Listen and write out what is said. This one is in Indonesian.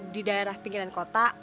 di daerah pinggiran kota